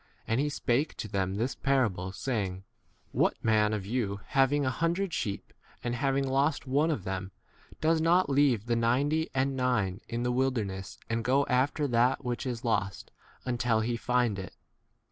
And he spake to them this parable, say 4 ing, What man of you having a hundred sheep, and having lost one of them, does not leave the ninety and nine in the wilderness and go after that which is lost, 5 until he find it